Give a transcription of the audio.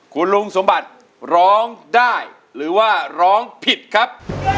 คุณลุงสมบัติร้องได้หรือว่าร้องผิดครับ